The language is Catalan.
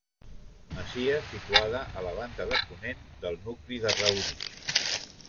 Masia situada a la banda de ponent del nucli de Rauric.